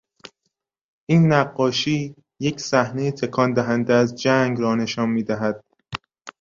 این نقاشی یک صحنهی تکان دهنده از جنگ را نشان میدهد.